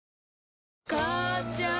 母ちゃん